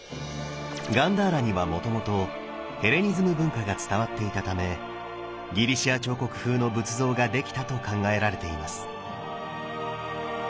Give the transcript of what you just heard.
ガンダーラにはもともとヘレニズム文化が伝わっていたためギリシャ彫刻風の仏像が出来たと考えられています。